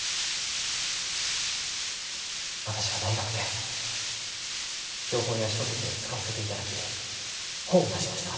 私は大学で標本や書籍を使わせていただき本を出しました。